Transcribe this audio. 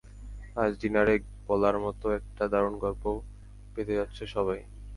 আজ ডিনারে বলার মতো একটা দারুন গল্প পেতে যাচ্ছো সবাই।